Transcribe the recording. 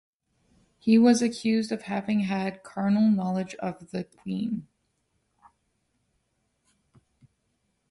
He was accused of having had carnal knowledge of the queen.